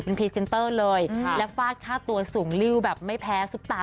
พรีเซนเตอร์เลยและฟาดค่าตัวสูงริ้วแบบไม่แพ้ซุปตา